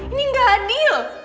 ini gak adil